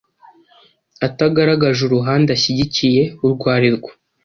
atagaragaje uruhande ashyigikiye urwarirwo